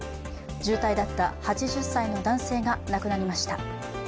重体だった８０歳の男性が亡くなりました。